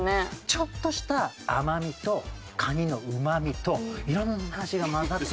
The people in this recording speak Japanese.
ちょっとした甘みとカニのうまみと色んな味が混ざって。